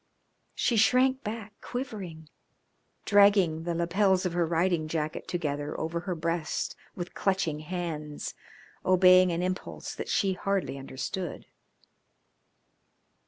She shrank back, quivering, dragging the lapels of her riding jacket together over her breast with clutching hands, obeying an impulse that she hardly understood.